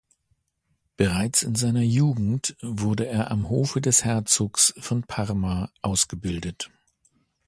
Bereits in seiner Jugend wurde er am Hofe des Herzogs von Parma ausgebildet.